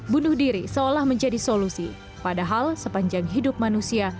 bunuh diri seolah menjadi solusi padahal sepanjang hidup manusia